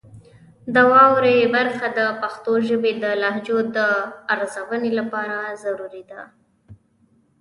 د واورئ برخه د پښتو ژبې د لهجو د ارزونې لپاره ضروري ده.